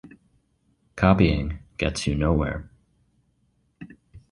Copying gets you nowhere.